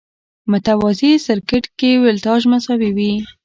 متوازي سرکټ کې ولټاژ مساوي وي.